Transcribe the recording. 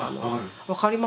分かりますね。